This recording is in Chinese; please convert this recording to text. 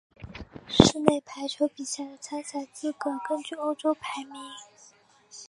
室内排球比赛的参赛资格根据欧洲排名。